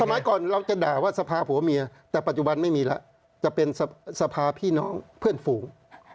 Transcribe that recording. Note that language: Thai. สมัยก่อนเราจะด่าว่าสภาผัวเมียแต่ปัจจุบันไม่มีแล้วจะเป็นสภาพี่น้องเพื่อนฝูง